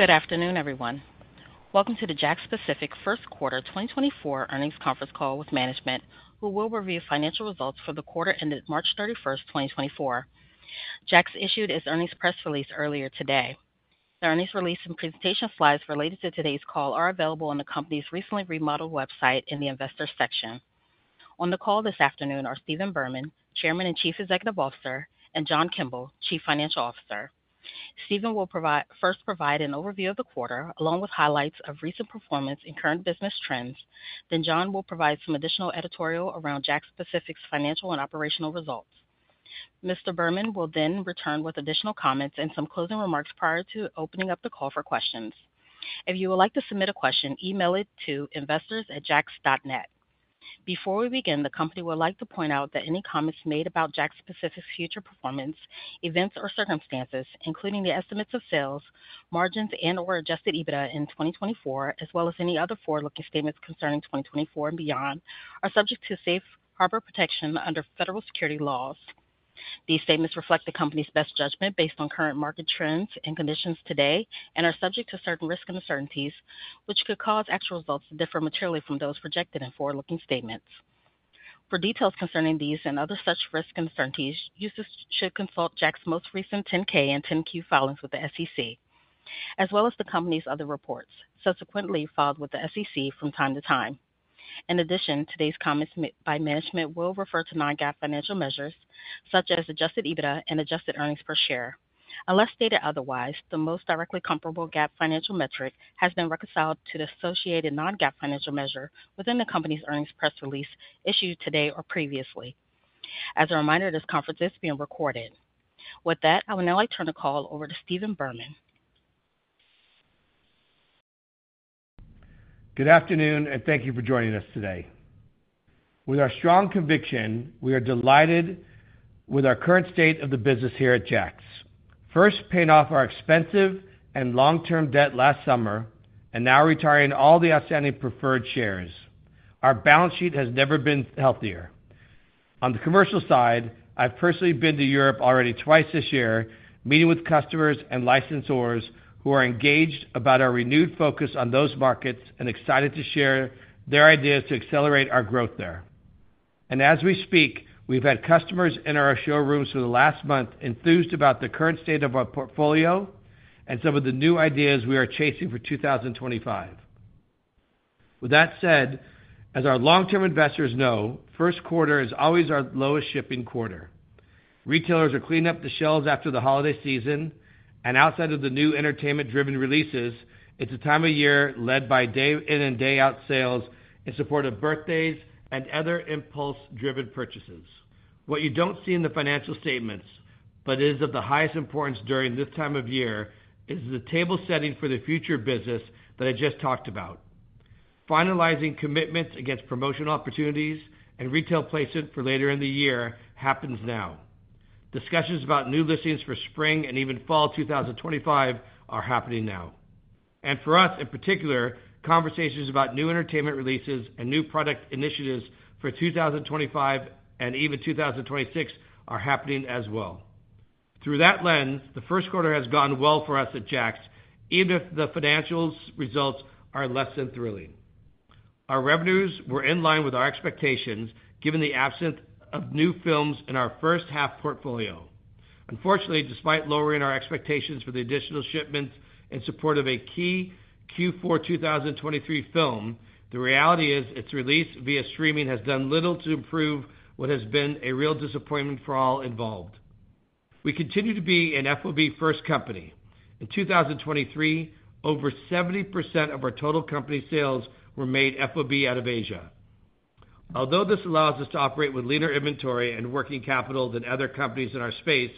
Good afternoon, everyone. Welcome to the JAKKS Pacific first-quarter 2024 earnings conference call with management, who will review financial results for the quarter ended March 31st, 2024. JAKKS issued its earnings press release earlier today. The earnings release and presentation slides related to today's call are available on the company's recently remodeled website in the investor section. On the call this afternoon are Stephen Berman, Chairman and Chief Executive Officer, and John Kimble, Chief Financial Officer. Stephen will first provide an overview of the quarter, along with highlights of recent performance and current business trends, and then John will provide some additional editorial around JAKKS Pacific's financial and operational results. Mr. Berman will then return with additional comments and some closing remarks prior to opening up the call for questions. If you would like to submit a question, email it to investors@jakks.net. Before we begin, the company would like to point out that any comments made about JAKKS Pacific's future performance, events, or circumstances, including the estimates of sales, margins, and/or Adjusted EBITDA in 2024, as well as any other forward-looking statements concerning 2024 and beyond, are subject to safe harbor protection under federal securities laws. These statements reflect the company's best judgment based on current market trends and conditions today and are subject to certain risk uncertainties, which could cause actual results to differ materially from those projected in forward-looking statements. For details concerning these and other such risk uncertainties, users should consult JAKKS' most recent 10-K and 10-Q filings with the SEC, as well as the company's other reports, subsequently filed with the SEC from time to time. In addition, today's comments by management will refer to non-GAAP financial measures such as Adjusted EBITDA and adjusted earnings per share. Unless stated otherwise, the most directly comparable GAAP financial metric has been reconciled to the associated non-GAAP financial measure within the company's earnings press release issued today or previously. As a reminder, this conference is being recorded. With that, I would now like to turn the call over to Stephen Berman. Good afternoon, and thank you for joining us today. With our strong conviction, we are delighted with the current state of our business here at JAKKS. First, paying off our expensive and long-term debt last summer and now, retiring all the outstanding preferred shares. Our balance sheet has never been healthier. On the commercial side, I've personally been to Europe already twice this year,, meeting with customers and licensors who are engaged about our renewed focus on those markets and excited to share their ideas to accelerate our growth there. As we speak, we've had customers in our showrooms for the last month enthused about the current state of our portfolio and some of the new ideas we are chasing for 2025. With that said, as our long-term investors know, the first quarter is always our lowest shipping quarter. Retailers are cleaning up the shelves after the holiday season, and outside of the new entertainment-driven releases, it's a time of year led by day-in and day-out sales in support of birthdays and other impulse-driven purchases. What you don't see in the financial statements but is of the highest importance during this time of year is the table setting for the future business that I just talked about. Finalizing commitments against promotional opportunities and retail placement for later in the year happens now. Discussions about new listings for spring and even fall 2025 are happening now. And for us in particular, conversations about new entertainment releases and new product initiatives for 2025 and even 2026 are happening as well. Through that lens, the first quarter has gone well for us at JAKKS, even if the financial results are less than thrilling. Our revenues were in line with our expectations, given the absence of new films in our first-half portfolio. Unfortunately, despite lowering our expectations for the additional shipments in support of a key Q4 2023 film, the reality is its release via streaming has done little to improve what has been a real disappointment for all involved. We continue to be an FOB-first company. In 2023, over 70% of our total company sales were made FOB out of Asia. Although this allows us to operate with leaner inventory and working capital than other companies in our space,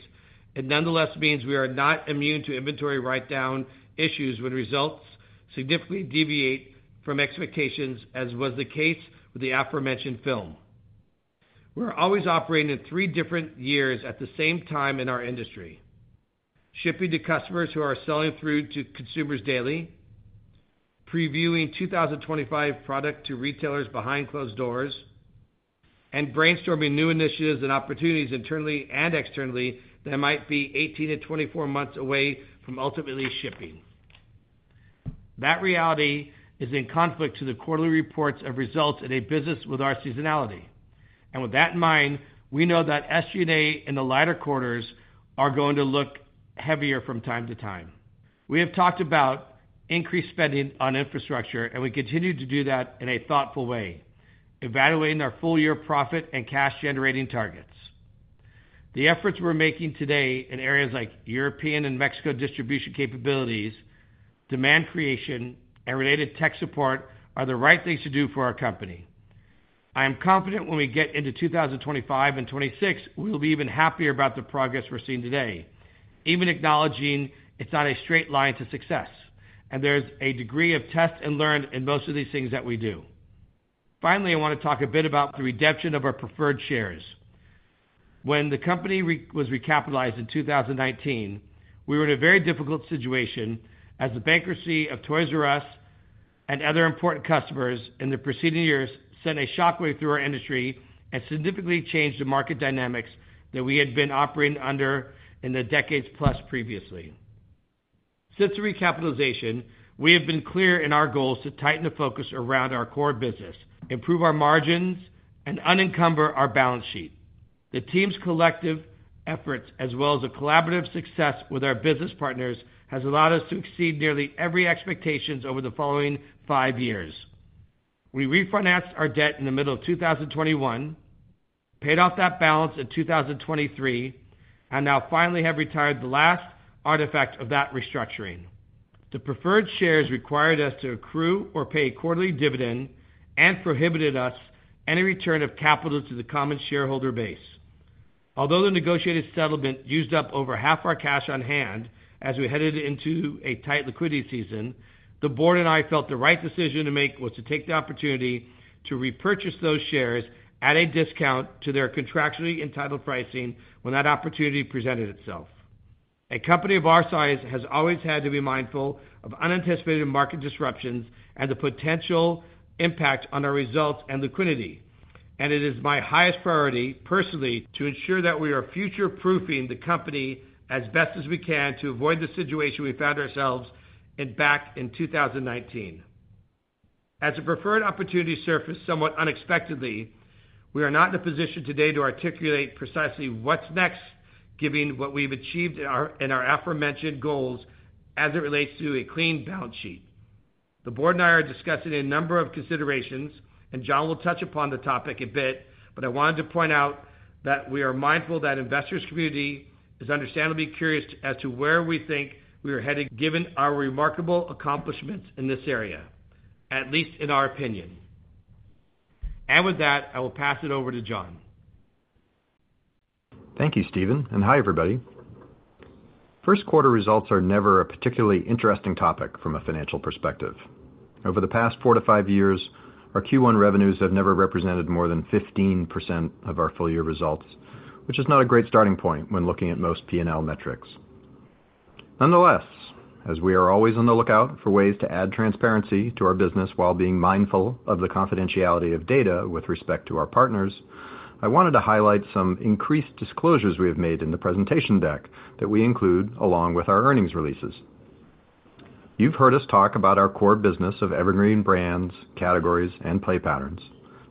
it nonetheless means we are not immune to inventory write-down issues when results significantly deviate from expectations, as was the case with the aforementioned film. We are always operating in three different years at the same time in our industry: shipping to customers who are selling through to consumers daily, previewing 2025 products to retailers behind closed doors, and brainstorming new initiatives and opportunities internally and externally that might be 18-24 months away from ultimately shipping. That reality is in conflict with the quarterly reports of results in a business with our seasonality. With that in mind, we know that SG&A in the lighter quarters is going to look heavier from time to time. We have talked about increased spending on infrastructure, and we continue to do that in a thoughtful way, evaluating our full-year profit and cash-generating targets. The efforts we're making today in areas like European and Mexican distribution capabilities, demand creation, and related tech support are the right things to do for our company. I am confident that when we get into 2025 and 2026, we will be even happier about the progress we're seeing today, even acknowledging it's not a straight line to success, and there's a degree of test and learn in most of these things that we do. Finally, I want to talk a bit about the redemption of our preferred shares. When the company was recapitalized in 2019, we were in a very difficult situation, as the bankruptcy of Toys "R" Us and other important customers in the preceding years sent a shockwave through our industry and significantly changed the market dynamics that we had been operating under in the decades-plus previously. Since the recapitalization, we have been clear in our goals to tighten the focus around our core business, improve our margins, and unencumber our balance sheet. The team's collective efforts, as well as the collaborative success with our business partners, have allowed us to exceed nearly every expectation over the following five years. We refinanced our debt in the middle of 2021, paid off that balance in 2023, and now finally have retired the last artifact of that restructuring. The preferred shares required us to accrue or pay a quarterly dividend and prohibited us from any return of capital to the common shareholder base. Although the negotiated settlement used up over half our cash on hand as we headed into a tight liquidity season, the board and I felt the right decision to make was to take the opportunity to repurchase those shares at a discount to their contractually entitled pricing when that opportunity presented itself. A company of our size has always had to be mindful of unanticipated market disruptions and the potential impact on our results and liquidity, and it is my highest priority, personally, to ensure that we are future-proofing the company as best as we can to avoid the situation we found ourselves in back in 2019. As the preferred opportunity surfaced somewhat unexpectedly, we are not in a position today to articulate precisely what's next, given what we've achieved in our aforementioned goals as it relates to a clean balance sheet. The board and I are discussing a number of considerations, and John will touch upon the topic a bit, but I wanted to point out that we are mindful that the investors' community is understandably curious as to where we think we are heading, given our remarkable accomplishments in this area, at least in our opinion. With that, I will pass it over to John. Thank you, Stephen, and hi everybody. First-quarter results are never a particularly interesting topic from a financial perspective. Over the past four to five years, our Q1 revenues have never represented more than 15% of our full-year results, which is not a great starting point when looking at most P&L metrics. Nonetheless, as we are always on the lookout for ways to add transparency to our business while being mindful of the confidentiality of data with respect to our partners, I wanted to highlight some increased disclosures we have made in the presentation deck that we include along with our earnings releases. You've heard us talk about our core business of evergreen brands, categories, and play patterns,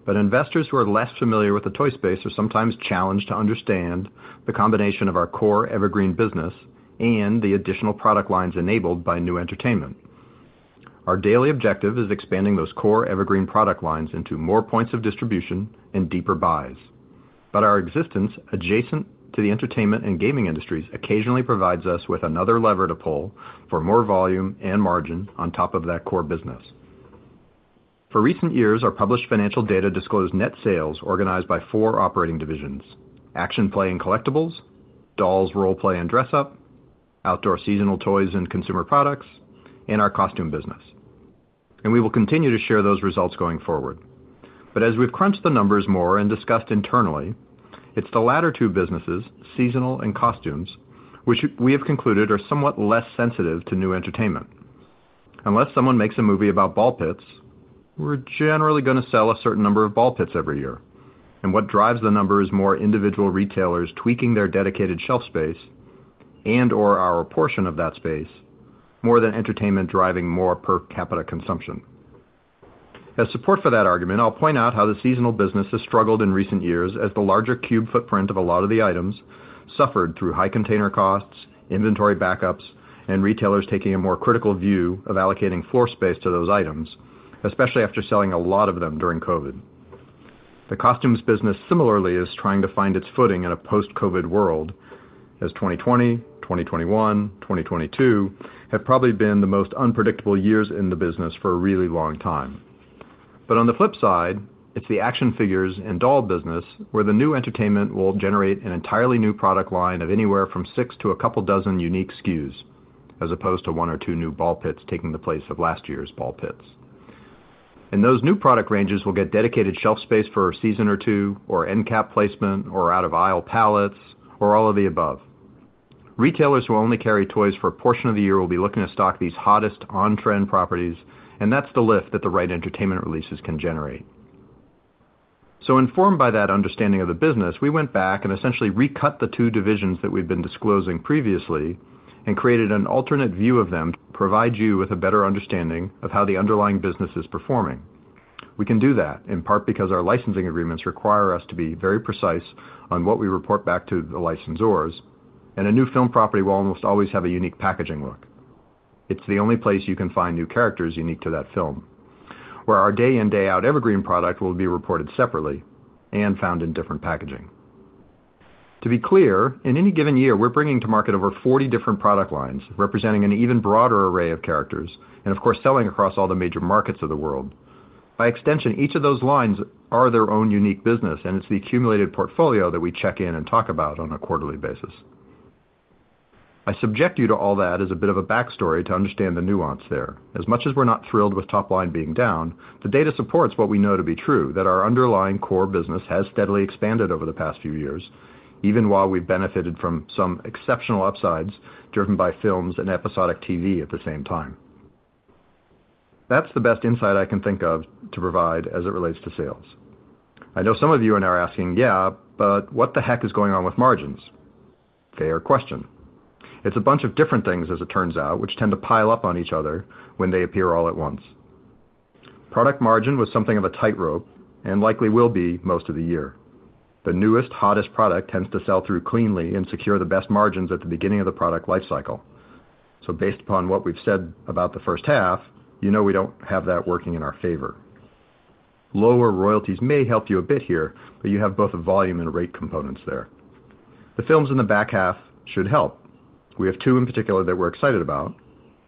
but investors who are less familiar with the toy space are sometimes challenged to understand the combination of our core evergreen business and the additional product lines enabled by new entertainment. Our daily objective is expanding those core evergreen product lines into more points of distribution and deeper buys, but our existence adjacent to the entertainment and gaming industries occasionally provides us with another lever to pull for more volume and margin on top of that core business. For recent years, our published financial data disclosed net sales organized by four operating divisions: Action Play and Collectibles, Dolls, Role Play and Dress-Up, Outdoor Seasonal Toys and Consumer Products, and our costume business. We will continue to share those results going forward. As we've crunched the numbers more and discussed internally, it's the latter two businesses, Seasonal and Costumes, which we have concluded are somewhat less sensitive to new entertainment. Unless someone makes a movie about ball pits, we're generally going to sell a certain number of ball pits every year, and what drives the number is more individual retailers tweaking their dedicated shelf space and/or our portion of that space, more than entertainment driving more per capita consumption. As support for that argument, I'll point out how the seasonal business has struggled in recent years as the larger cube footprint of a lot of the items suffered through high container costs, inventory backups, and retailers taking a more critical view of allocating floor space to those items, especially after selling a lot of them during COVID. The costumes business, similarly, is trying to find its footing in a post-COVID world, as 2020, 2021, and 2022 have probably been the most unpredictable years in the business for a really long time. But on the flip side, it's the action figures and doll business where the new entertainment will generate an entirely new product line of anywhere from 6 to a couple of dozen unique SKUs, as opposed to one or two new ball pits taking the place of last year's ball pits. And those new product ranges will get dedicated shelf space for a season or two, or end cap placement, or out-of-aisle pallets, or all of the above. Retailers who only carry toys for a portion of the year will be looking to stock these hottest on-trend properties, and that's the lift that the right entertainment releases can generate. So informed by that understanding of the business, we went back and essentially recut the two divisions that we've been disclosing previously and created an alternate view of them to provide you with a better understanding of how the underlying business is performing. We can do that in part because our licensing agreements require us to be very precise on what we report back to the licensors, and a new film property will almost always have a unique packaging look. It's the only place you can find new characters unique to that film, where our day-in and day-out evergreen product will be reported separately and found in different packaging. To be clear, in any given year, we're bringing to market over 40 different product lines representing an even broader array of characters and, of course, selling across all the major markets of the world. By extension, each of those lines are their own unique business, and it's the accumulated portfolio that we check in and talk about on a quarterly basis. I subject you to all that as a bit of a backstory to understand the nuance there. As much as we're not thrilled with the top line being down, the data supports what we know to be true, that our underlying core business has steadily expanded over the past few years, even while we've benefited from some exceptional upsides driven by films and episodic TV at the same time. That's the best insight I can think of to provide as it relates to sales. I know some of you in there are asking, "Yeah, but what the heck is going on with margins?" Fair question. It's a bunch of different things, as it turns out, which tend to pile up on each other when they appear all at once. Product margin was something of a tightrope and likely will be most of the year. The newest, hottest product tends to sell through cleanly and secure the best margins at the beginning of the product lifecycle. So, based upon what we've said about the first half, you know we don't have that working in our favor. Lower royalties may help you a bit here, but you have both a volume and a rate component there. The films in the back half should help. We have two in particular that we're excited about,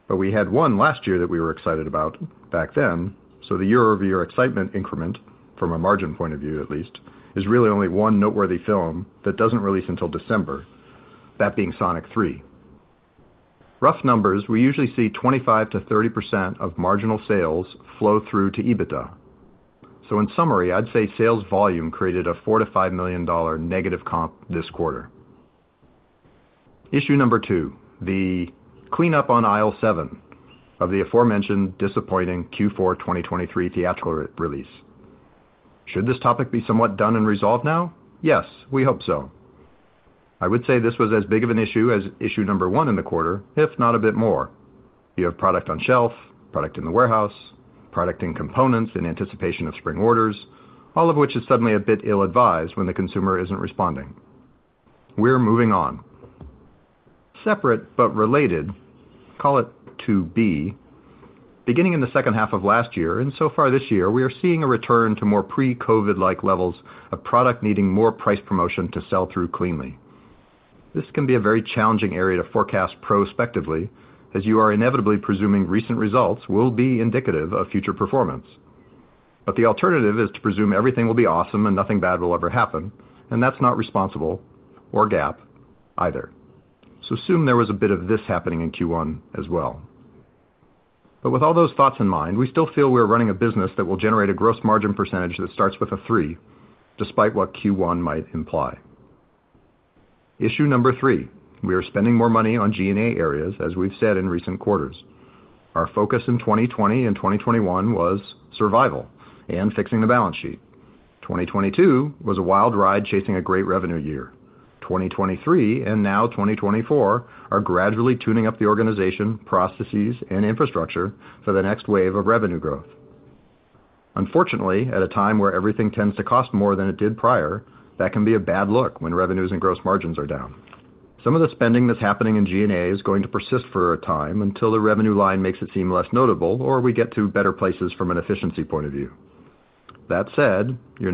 but we had one last year that we were excited about back then. So the year-over-year excitement increment, from a margin point of view at least, is really only one noteworthy film that doesn't release until December, that being Sonic 3. Rough numbers, we usually see 25%-30% of marginal sales flow through to EBITDA. So in summary, I'd say sales volume created a $4 million-$5 million negative comp this quarter. Issue number two: the cleanup on aisle seven of the aforementioned disappointing Q4 2023 theatrical release. Should this topic be somewhat done and resolved now? Yes, we hope so. I would say this was as big an issue as issue number one in the quarter, if not a bit more. You have product on the shelf, product in the warehouse, product in components in anticipation of spring orders, all of which is suddenly a bit ill-advised when the consumer isn't responding. We're moving on. Separate but related, call it to be, beginning in the second half of last year and so far this year, we are seeing a return to more pre-COVID-like levels of product needing more price promotion to sell through cleanly. This can be a very challenging area to forecast prospectively, as you are inevitably presuming recent results will be indicative of future performance. But the alternative is to presume everything will be awesome and nothing bad will ever happen, and that's not responsible or GAAP either. So assume there was a bit of this happening in Q1 as well. But with all those thoughts in mind, we still feel we're running a business that will generate a gross margin percentage that starts with a three despite what Q1 might imply. Issue number three, we are spending more money on G&A areas, as we've said in recent quarters. Our focus in 2020 and 2021 was survival and fixing the balance sheet. 2022 was a wild ride chasing a great revenue year. 2023 and now 2024 are gradually tuning up the organization, processes, and infrastructure for the next wave of revenue growth. Unfortunately, at a time when everything tends to cost more than it did prior, that can be a bad look when revenues and gross margins are down. Some of the spending that's happening in G&A is going to persist for a time until the revenue line makes it seem less notable or we get to better places from an efficiency point of view. That said, you're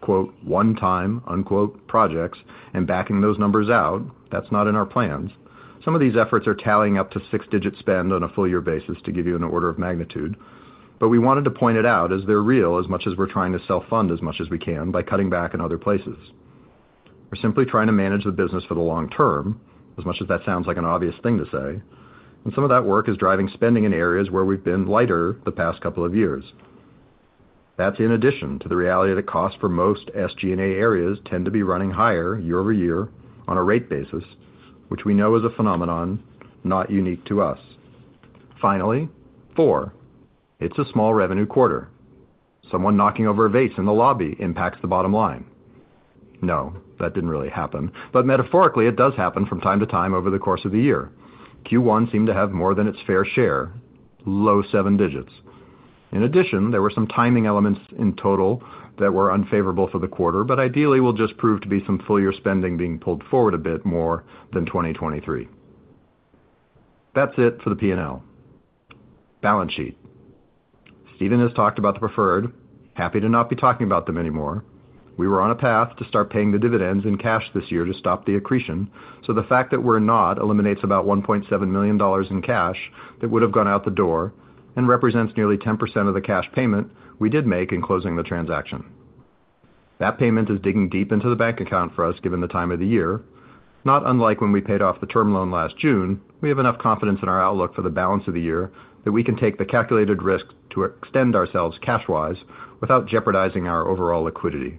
not going to see us leaning into talking about "one-time" projects and backing those numbers out. That's not in our plans. Some of these efforts are tallying up to six-digit spend on a full-year basis to give you an order of magnitude, but we wanted to point it out as they're real as much as we're trying to self-fund as much as we can by cutting back in other places. We're simply trying to manage the business for the long term, as much as that sounds like an obvious thing to say, and some of that work is driving spending in areas where we've been lighter the past couple of years. That's in addition to the reality that costs for most SG&A areas tend to be running higher year-over-year on a rate basis, which we know is a phenomenon not unique to us. Finally, four, it's a small revenue quarter. Someone knocking over a vase in the lobby impacts the bottom line. No, that didn't really happen, but metaphorically, it does happen from time to time over the course of the year. Q1 seemed to have more than its fair share, low seven digits. In addition, there were some timing elements in total that were unfavorable for the quarter, but ideally will just prove to be some full-year spending being pulled forward a bit more than 2023. That's it for the P&L. Balance sheet. Stephen has talked about the preferred, happy not to be talking about them anymore. We were on a path to start paying the dividends in cash this year to stop the accretion. So the fact that we're not eliminates about $1.7 million in cash that would have gone out the door and represents nearly 10% of the cash payment we did make in closing the transaction. That payment is digging deep into the bank account for us, given the time of the year. Not unlike when we paid off the term loan last June, we have enough confidence in our outlook for the balance of the year that we can take the calculated risk to extend ourselves cash-wise without jeopardizing our overall liquidity.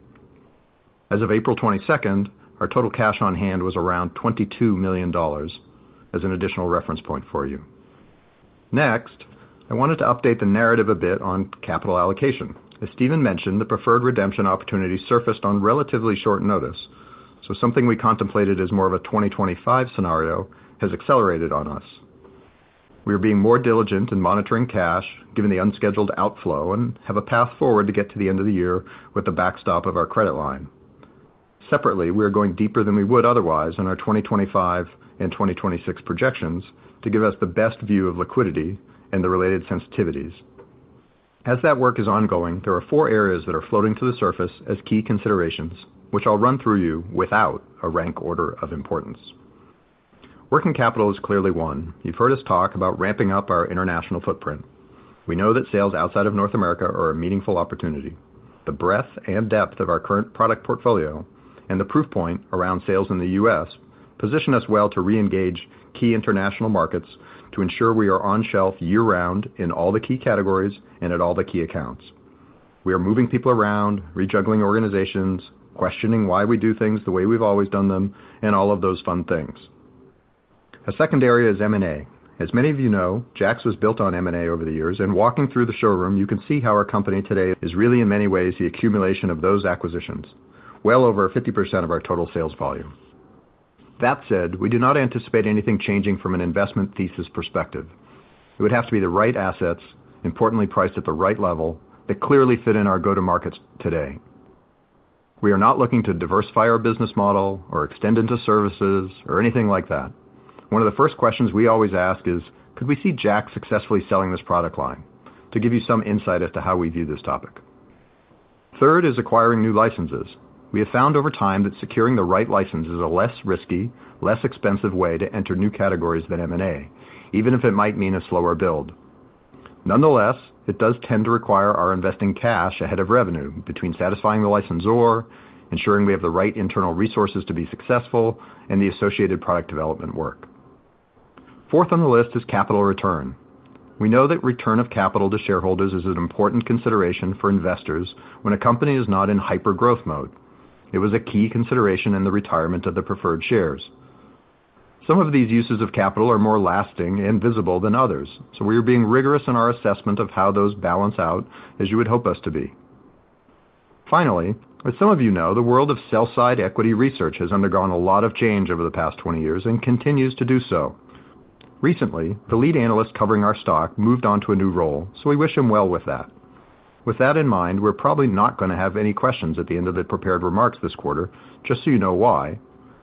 As of April 22nd, our total cash on hand was around $22 million, as an additional reference point for you. Next, I wanted to update the narrative a bit on capital allocation. As Stephen mentioned, the preferred redemption opportunity surfaced on relatively short notice. So something we contemplated as more of a 2025 scenario has accelerated on us. We are being more diligent in monitoring cash, given the unscheduled outflow an,d have a path forward to get to the end of the year with the backstop of our credit line. Separately, we are going deeper than we would otherwise in our 2025 and 2026 projections to give us the best view of liquidity and the related sensitivities. As that work is ongoing, there are four areas that are floating to the surface as key considerations, which I'll run through with you without a rank order of importance. Working capital is clearly one. You've heard us talk about ramping up our international footprint. We know that sales outside of North America are a meaningful opportunity. The breadth and depth of our current product portfolio and the proof point around sales in the U.S. position us well to re-engage key international markets to ensure we are on shelf year-round in all the key categories and at all the key accounts. We are moving people around, rejuggling organizations, questioning why we do things the way we've always done them, and all of those fun things. A second area is M&A. As many of you know, JAKKS was built on M&A over the years, and walking through the showroom, you can see how our company today is really, in many ways, the accumulation of those acquisitions, well over 50% of our total sales volume. That said, we do not anticipate anything changing from an investment thesis perspective. It would have to be the right assets, importantly priced at the right level, that clearly fit in our go-to-markets today. We are not looking to diversify our business model or extend into services or anything like that. One of the first questions we always ask is, "Could we see JAKKS successfully selling this product line?" to give you some insight as to how we view this topic. Third is acquiring new licenses. We have found over time that securing the right license is a less risky, less expensive way to enter new categories than M&A, even if it might mean a slower build. Nonetheless, it does tend to require our investing cash ahead of revenue, between satisfying the licensor, ensuring we have the right internal resources to be successful, and the associated product development work. Fourth on the list is capital return. We know that return of capital to shareholders is an important consideration for investors when a company is not in hyper-growth mode. It was a key consideration in the retirement of the preferred shares. Some of these uses of capital are more lasting and visible than others, so we are being rigorous in our assessment of how those balance out, as you would hope us to be. Finally, as some of you know, the world of sell-side equity research has undergone a lot of change over the past 20 years and continues to do so. Recently, the lead analyst covering our stock moved on to a new role, so we wish him well with that. With that in mind, we're probably not going to have any questions at the end of the prepared remarks this quarter, just so you know why.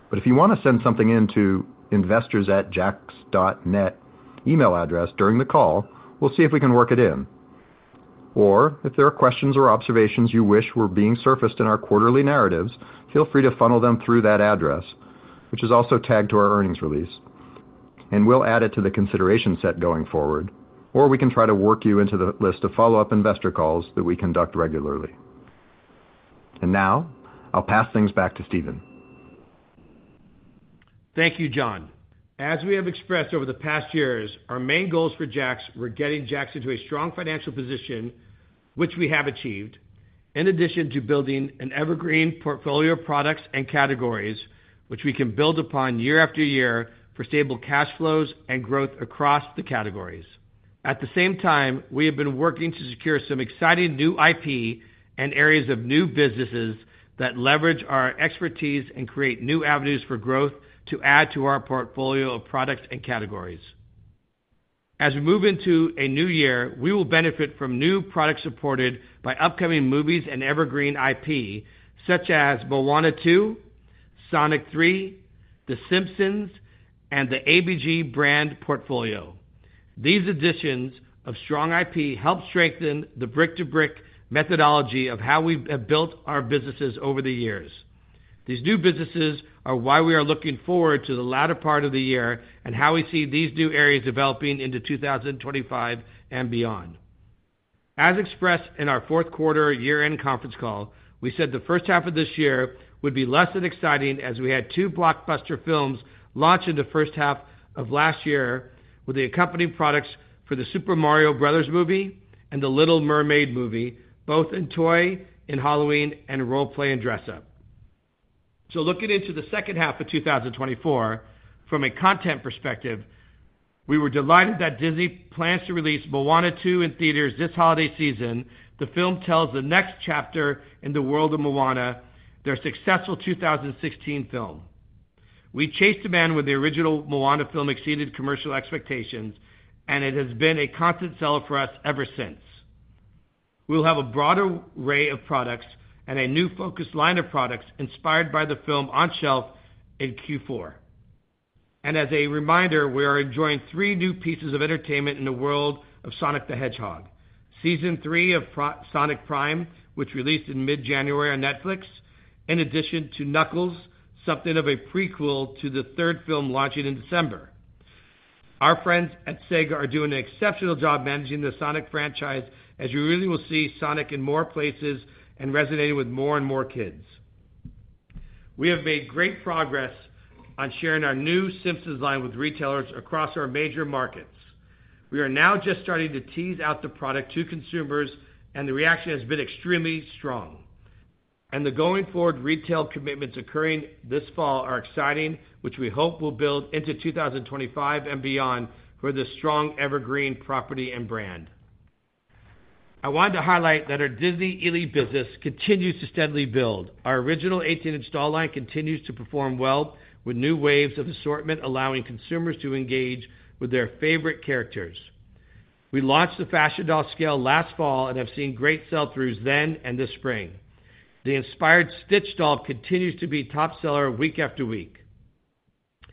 But if you want to send something to investors@jakks.net email address during the call, we'll see if we can work it in. Or if there are questions or observations you wish were being surfaced in our quarterly narratives, feel free to funnel them through that address, which is also tagged to our earnings release. And we'll add it to the consideration set going forward, or we can try to work you into the list of follow-up investor calls that we conduct regularly. And now, I'll pass things back to Stephen. Thank you, John. As we have expressed over the past years, our main goals for JAKKS were getting JAKKS into a strong financial position, which we have achieved, in addition to building an evergreen portfolio of products and categories, which we can build upon year after year for stable cash flows and growth across the categories. At the same time, we have been working to secure some exciting new IP and areas of new businesses that leverage our expertise and create new avenues for growth to add to our portfolio of products and categories. As we move into a new year, we will benefit from new products supported by upcoming movies and evergreen IP, such as Moana 2, Sonic 3, The Simpsons, and the ABG brand portfolio. These additions of strong IP help strengthen the brick-to-brick methodology of how we have built our businesses over the years. These new businesses are why we are looking forward to the latter part of the year and how we see these new areas developing into 2025 and beyond. As expressed in our fourth quarter year-end conference call, we said the first half of this year would be less than exciting as we had two blockbuster films launch into first half of last year with the accompanying products for the Super Mario Bros. Movie and the Little Mermaid movie, both in toy, in Halloween, and role-play and dress-up. So looking into the second half of 2024, from a content perspective, we were delighted that Disney plans to release Moana 2 in theaters this holiday season. The film tells the next chapter in the world of Moana, their successful 2016 film. We chased demand when the original Moana film exceeded commercial expectations, and it has been a constant seller for us ever since. We'll have a broader array of products and a new, focused line of products inspired by the film on the shelf in Q4. As a reminder, we are enjoying three new pieces of entertainment in the world of Sonic the Hedgehog: season three of Sonic Prime, which was released in mid-January on Netflix, in addition to Knuckles, something of a prequel to the third film launching in December. Our friends at Sega are doing an exceptional job managing the Sonic franchise, as you really will see Sonic in more places and resonating with more and more kids. We have made great progress on sharing our new Simpsons line with retailers across our major markets. We are now just starting to tease out the product to consumers, and the reaction has been extremely strong. The going forward retail commitments occurring this fall are exciting, which we hope will build into 2025 and beyond for this strong, evergreen property and brand. I wanted to highlight that our Disney ily business continues to steadily build. Our original 18-inch doll line continues to perform well with new waves of assortment, allowing consumers to engage with their favorite characters. We launched the fashion doll scale last fall and have seen great sell-throughs then and this spring. The inspired Stitch doll continues to be a top seller week after week.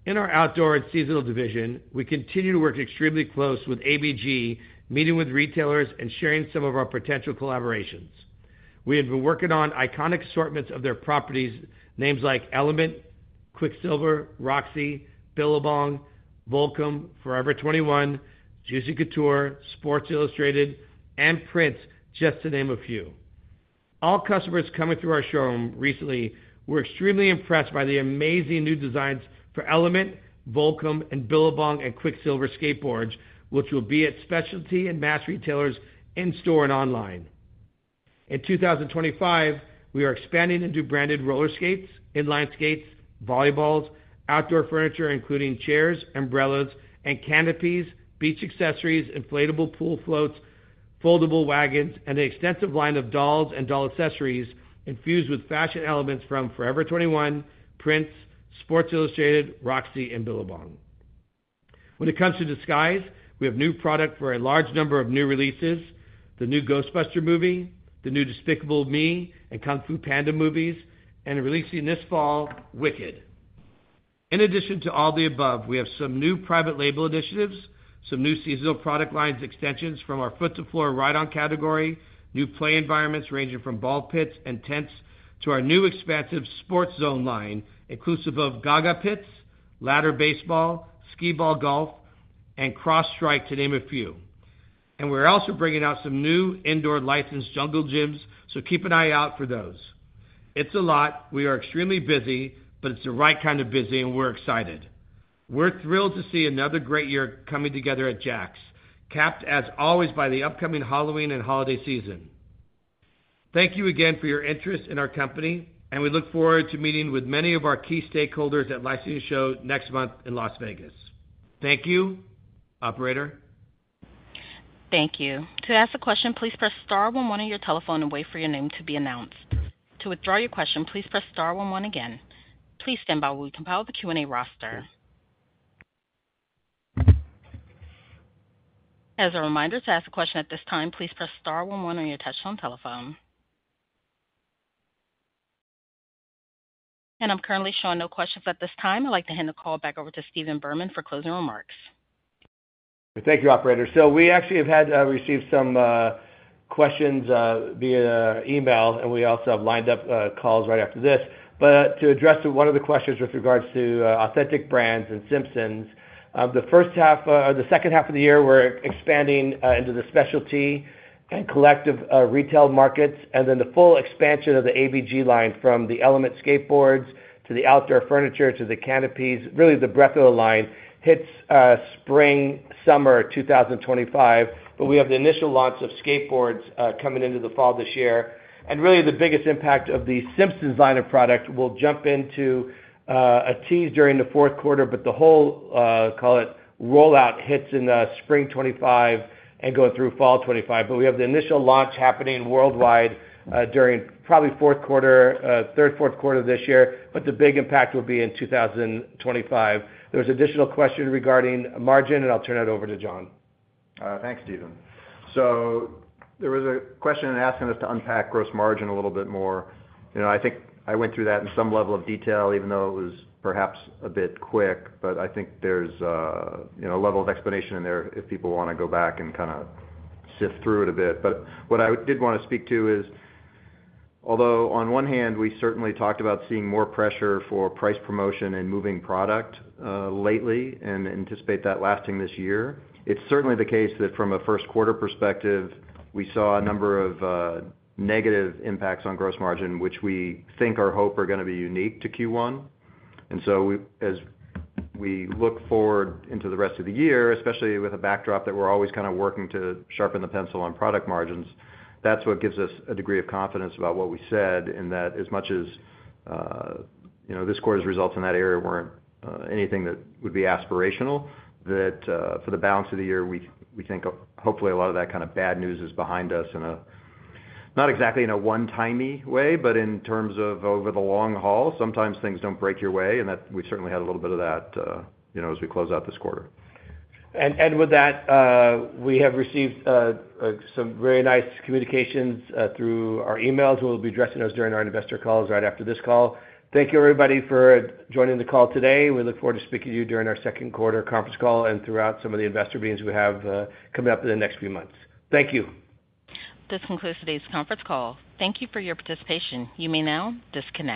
In our outdoor and seasonal division, we continue to work extremely closely with ABG, meeting with retailers and sharing some of our potential collaborations. We have been working on iconic assortments of their properties, names like Element, Quiksilver, Roxy, Billabong, Volcom, Forever 21, Juicy Couture, Sports Illustrated, and Prince, just to name a few. All customers coming through our showroom recently were extremely impressed by the amazing new designs for Element, Volcom, Billabong and Quiksilver skateboards, which will be at specialty and mass retailers in-store and online. In 2025, we are expanding into branded roller skates, inline skates, volleyballs, outdoor furniture, including chairs, umbrellas, and canopies, beach accessories, inflatable pool floats, foldable wagons, and an extensive line of dolls and doll accessories infused with fashion elements from Forever 21, Prince, Sports Illustrated, Roxy, and Billabong. When it comes to Disguise, we have a new product for a large number of new releases, the new Ghostbusters movie, the new Despicable Me and Kung Fu Panda movies, and releasing this fall, Wicked. In addition to all the above, we have some new private label initiatives, some new seasonal product lines extensions from our foot-to-floor ride-on category, new play environments ranging from ball pits and tents to our new expansive Sports Zone line, inclusive of Gaga pits, ladder baseball, Skee-Ball Golf, and Cross Strike, to name a few. And we're also bringing out some new indoor licensed jungle gyms, so keep an eye out for those. It's a lot. We are extremely busy, but it's the right kind of busy, and we're excited. We're thrilled to see another great year coming together at JAKKS, capped as always by the upcoming Halloween and holiday season. Thank you again for your interest in our company, and we look forward to meeting with many of our key stakeholders at the Licensing Show next month in Las Vegas. Thank you, operator. Thank you. To ask a question, please press star one one on your telephone and wait for your name to be announced. To withdraw your question, please press star one one again. Please stand by while we compile the Q&A roster. As a reminder, to ask a question at this time, please press star one one on your touch-tone telephone. I'm currently showing no questions at this time. I'd like to hand the call back over to Stephen Berman for closing remarks. Thank you, operator. So we actually have received some questions via email, and we also have lined up calls right after this. But to address one of the questions with regards to Authentic Brands and Simpsons, the first half or the second half of the year, we're expanding into the specialty and collector retail markets, and then the full expansion of the ABG line from the Element skateboards to the outdoor furniture to the canopies, really the breadth of the line, hits spring/summer 2025. But we have the initial launch of skateboards coming into the fall this year. And really, the biggest impact of the Simpsons line of product we'll jump into a tease during the fourth quarter, but the whole, call it, rollout hits in spring 2025 and goes through fall 2025. But we have the initial launch happening worldwide during probably the third/fourth quarter of this year, but the big impact will be in 2025. There was an additional question regarding margin, and I'll turn that over to John. Thanks, Stephen. So there was a question asking us to unpack gross margin a little bit more. I think I went through that on some level of detail, even though it was perhaps a bit quick. But I think there's a level of explanation in there if people want to go back and kind of sift through it a bit. But what I did want to speak to is, although on one hand, we certainly talked about seeing more pressure for price promotion and moving product lately and anticipate that lasting this year, it's certainly the case that from a first quarter perspective, we saw a number of negative impacts on gross margin, which we think or hope are going to be unique to Q1. And so, as we look forward into the rest of the year, especially with a backdrop that we're always kind of working to sharpen the pencil on product margins, that's what gives us a degree of confidence about what we said in that, as much as this quarter's results in that area weren't anything that would be aspirational. That for the balance of the year, we think hopefully a lot of that kind of bad news is behind us not exactly in a one-timey way, but in terms of over the long haul, sometimes things don't break your way, and we've certainly had a little bit of that as we close out this quarter. With that, we have received some very nice communications through our emails, and we'll be addressing those during our investor calls right after this call. Thank you, everybody, for joining the call today. We look forward to speaking to you during our second quarter conference call and throughout some of the investor meetings we have coming up in the next few months. Thank you. This concludes today's conference call. Thank you for your participation. You may now disconnect.